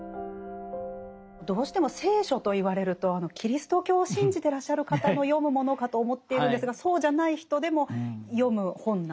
どうしても聖書と言われるとキリスト教を信じてらっしゃる方の読むものかと思っているんですがそうじゃない人でも読む本なんでしょうか？